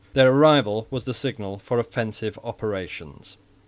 Their arrival was the signal for offensive operations.